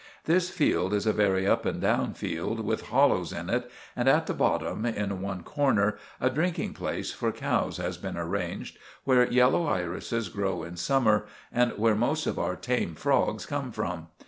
This field is a very up and down field, with hollows in it, and at the bottom, in one corner, a drinking place for cows has been arranged, where yellow irises grow in summer, and where most of our tame frogs come from.